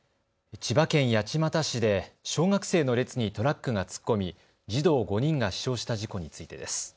千葉県八街市で小学生の列にトラックが突っ込み児童５人が死傷した事故についてです。